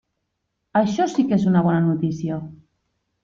Això sí que és una bona notícia.